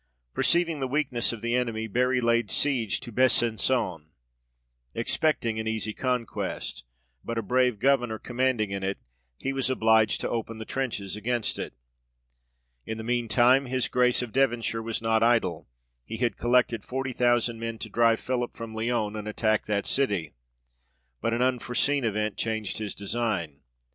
Perceiving the weakness of the enemy, Bury laid siege to Besangon, expecting an easy conquest : but a brave governour commanding in it, he was obliged to open the trenches against it. In the mean time, his Grace of Devonshire was not idle ; he had collected forty thousand men to drive Philip from Lyons, and attack that city; but an un foreseen event changed his design.